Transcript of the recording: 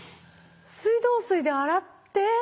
水道水で洗って？